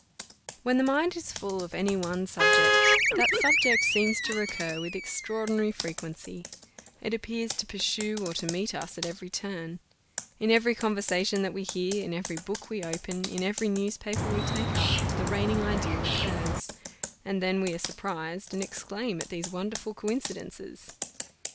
When the mind is full of any one subject, that subject seems to recur with extraordinary frequency it appears to pursue or to meet us at every turn: in every conversation that we hear, in every book we open, in every newspaper we take up, the reigning idea recurs; and then we are surprised, and exclaim at these wonderful coincidences.